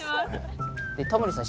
タモリさん